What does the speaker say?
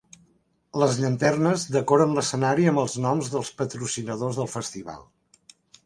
Les llanternes decoren l'escenari amb els noms dels patrocinadors del festival.